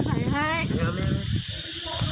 สวัสดีสวัสดี